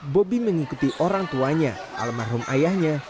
bobi mengikuti orang tuanya alam mahrum ayahnya